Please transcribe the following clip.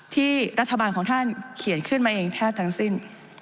ที่รัฐบาลของท่านเขียนขึ้นมาเองแทบทั้งสิ้น